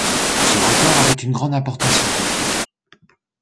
Ce record avait une grande importance scientifique.